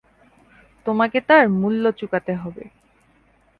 তোমাকে তার মূল্য চুকাতে হবে।